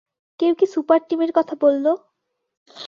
কেউ কি সুপার টিমের কথা বলল?